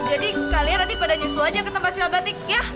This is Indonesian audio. jadi kalian nanti pada nyusul aja ke tempat shalbatnik ya